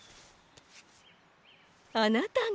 あなたが。